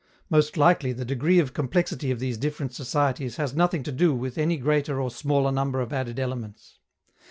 Most likely, the degree of complexity of these different societies has nothing to do with any greater or smaller number of added elements.